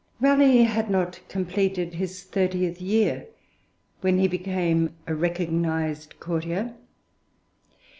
Raleigh had not completed his thirtieth year when he became a recognised courtier.